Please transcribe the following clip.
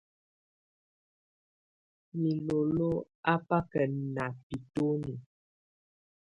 Milolo a báká ná bitoní.